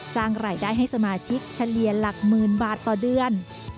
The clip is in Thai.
สร้างรายได้ให้สมาชิกเฉลี่ยหลักหมื่นบาทต่อเดือน